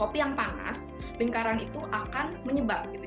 kopi yang panas lingkaran itu akan menyebar gitu